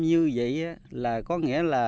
như vậy là có nghĩa là